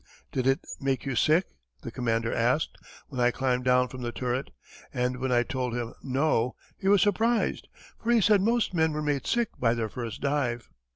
"Did it make you sick?" the commander asked, when I climbed down from the turret, and when I told him "no" he was surprised, for he said most men were made sick by their first dive.